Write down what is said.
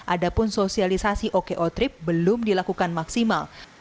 adapun sosialisasi oke otrip belum dilakukan maksimal